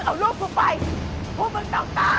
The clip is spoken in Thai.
พี่ป๋องครับผมเคยไปที่บ้านผีคลั่งมาแล้ว